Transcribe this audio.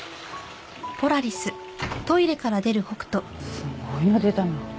すごいの出たな。